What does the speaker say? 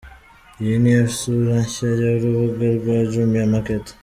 Iyi ni yo sura nshya y’urubuga rwa Jumia Market.